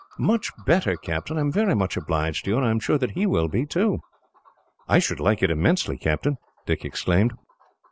"Much better, Captain. I am very much obliged to you, and I am sure that he will be, too." "I should like it immensely, Captain," Dick exclaimed.